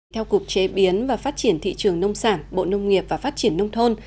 theo cục chế biến và phát triển thị trường nông sản bộ nông nghiệp và phát triển nông thôn